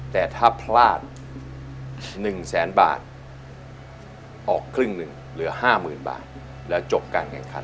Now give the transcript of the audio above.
แต่ถ้าพลาด๑แสนบาทออกครึ่งหนึ่งเหลือ๕๐๐๐บาทแล้วจบการแข่งขัน